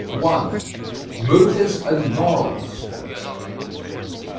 MOVIES AND MORALS.